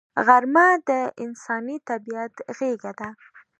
غرمه د انساني طبیعت غېږه ده